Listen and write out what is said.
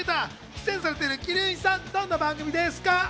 出演されている鬼龍院さん、どんな番組ですか？